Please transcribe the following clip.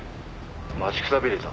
待ちくたびれた」